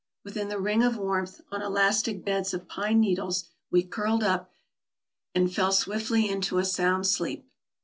Within the ring of warmth, on elastic beds of pine needles, we curled up, and fell swiftly into a sound sleep.